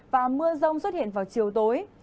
và mưa rông xuất hiện vào chiều tối